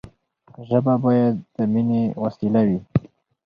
ژبه باید د ميني وسیله وي.